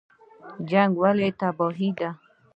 جنګ ولې تباهي ده؟